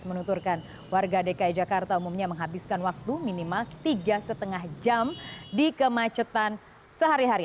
menuturkan warga dki jakarta umumnya menghabiskan waktu minimal tiga lima jam di kemacetan sehari hari